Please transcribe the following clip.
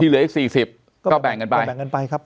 เหลืออีก๔๐ก็แบ่งกันไปแบ่งกันไปครับ